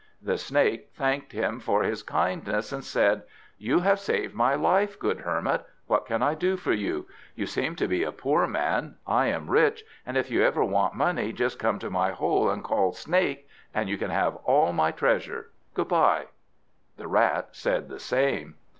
The Snake thanked him for his kindness and said: "You have saved my life, good Hermit! What can I do for you? You seem to be a poor man; I am rich, and if you ever want money just come to my hole and call 'Snake,' and you shall have all my treasure. Good bye!" The Rat said the same.